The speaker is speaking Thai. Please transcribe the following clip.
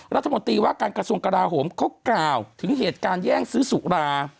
รัฐมนตรีว่าการกระทรวงกราโหมเขากล่าวถึงเหตุการณ์แย่งซื้อสุรา